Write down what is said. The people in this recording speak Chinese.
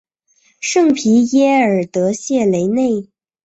圣皮耶尔德谢雷内。